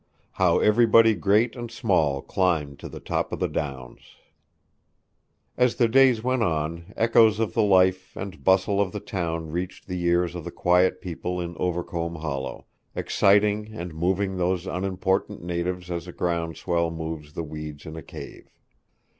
HOW EVERYBODY GREAT AND SMALL CLIMBED TO THE TOP OF THE DOWNS As the days went on, echoes of the life and bustle of the town reached the ears of the quiet people in Overcombe hollow exciting and moving those unimportant natives as a ground swell moves the weeds in a cave.